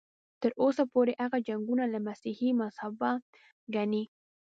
تر اوسه پورې هغه جنګونه له مسیحي مذهبه ګڼي.